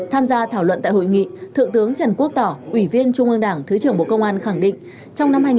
tham gia thảo luận tại hội nghị thượng tướng trần quốc tỏ ủy viên trung ương đảng thứ trưởng bộ công an khẳng định